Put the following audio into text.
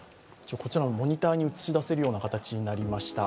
こちらのモニターに映し出せるような形になりました